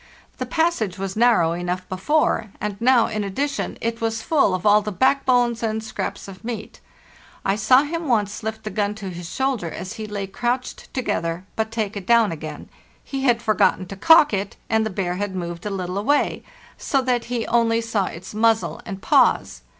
The passage was narrow enough before, and now, in addition, it was full of all the backbones and scraps of meat. I saw him once lift the gun to his shoulder as he lay crouched together, but take it down again; he had forgotten to cock it, and the bear had moved a little away, so that he only saw its muzzle and paws.